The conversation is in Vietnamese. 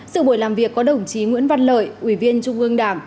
sự buổi làm việc có đồng chí nguyễn văn lợi ủy viên trung ương đảng